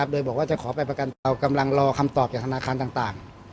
โดยบอกว่าจะขอไปประกันตัวกำลังรอคำตอบจากธนาคารต่าง